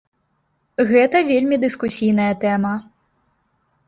Гэта вельмі дыскусійная тэма.